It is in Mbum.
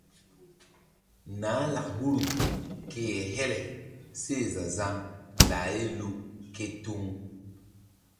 Nah lak huru ke he-hele seh za-zaŋ lah ye luu ke tuŋ.